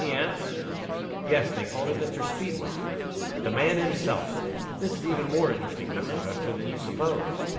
he asked. "Yes. They called him Mr. Speedwell." "The man himself! This is even more interesting, Miss Silvester, than you suppose.